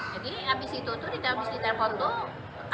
jadi habis itu tuh habis di telepon tuh